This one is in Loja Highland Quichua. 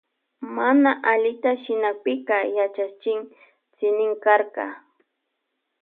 Mana allita shinanpika yachachin shinin karka.